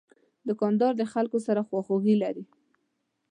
دوکاندار د خلکو سره خواخوږي لري.